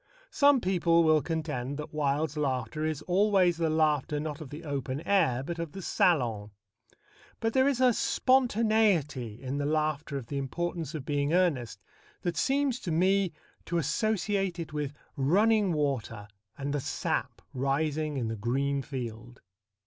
Some people will contend that Wilde's laughter is always the laughter not of the open air but of the salon. But there is a spontaneity in the laughter of The Importance of Being Earnest that seems to me to associate it with running water and the sap rising in the green field.